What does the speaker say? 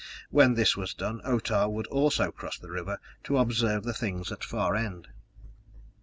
When this was done, Otah would also cross the river to observe the things at Far End!